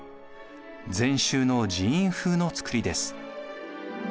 禅宗の寺院風の造りです。